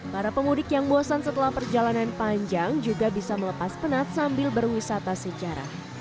para pemudik yang bosan setelah perjalanan panjang juga bisa melepas penat sambil berwisata sejarah